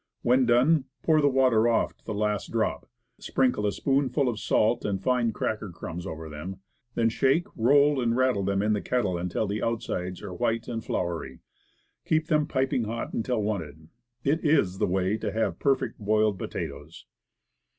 When done, pour the water off to the last drop; sprinkle a spoonful of salt and fine cracker crumbs over them; then shake, roll and rattle them in the kettle until the outsides are white and floury. Keep them piping hot until wanted. It is the way to have perfect boiled po tatoes.